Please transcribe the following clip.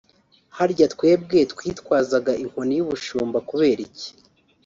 Harya twebwe twitwazaga inkoni y'ubushumba kubera iki